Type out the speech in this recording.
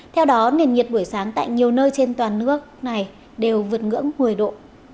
theo đó nền nhiệt buổi sáng tại nhiều nơi trên toàn nước này đều vượt ngưỡng một mươi độ